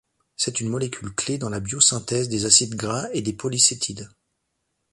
C'est une molécule clé dans la biosynthèse des acides gras et des polycétides.